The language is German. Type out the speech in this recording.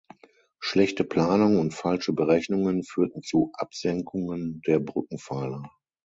Schlechte Planung und falsche Berechnungen führten zu Absenkungen der Brückenpfeiler.